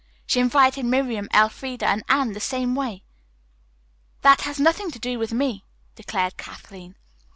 "She invited Miriam, Elfreda and Anne the same way." "That has nothing to do with me," declared Kathleen.